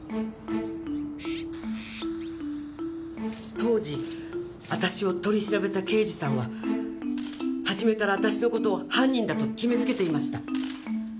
当時私を取り調べた刑事さんは初めから私の事を犯人だと決めつけていました。